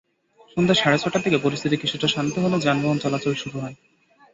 সন্ধ্যা সাড়ে ছয়টার দিকে পরিস্থিতি কিছুটা শান্ত হলে যানবাহন চলাচল শুরু হয়।